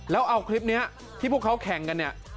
แล้วเอาคลิปนี้ที่พวกเขาแข่งกันเนี่ย